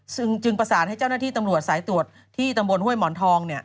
ซึ่งจึงประสานให้เจ้าหน้าที่ตำรวจสายตรวจที่ตำบลห้วยหมอนทอง